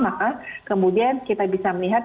maka kemudian kita bisa melihat